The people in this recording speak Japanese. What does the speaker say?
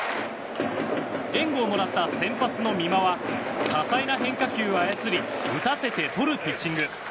援護をもらった先発の美馬は多彩な変化球を操り打たせてとるピッチング。